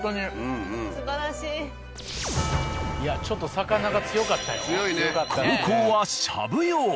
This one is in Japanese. ちょっと魚が強かったよ。